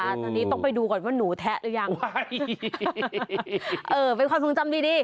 ตอนนี้ต้องไปดูก่อนว่าหนูแทะหรือยังเออเป็นความทรงจำดีดี